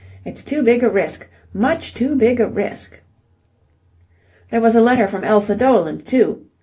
It's too big a risk, much too big a risk. "There was a letter from Elsa Doland, too.